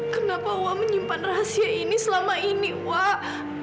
kenapa wah menyimpan rahasia ini selama ini wak